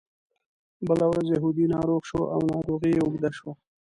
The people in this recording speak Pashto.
بله ورځ یهودي ناروغ شو او ناروغي یې اوږده شوه.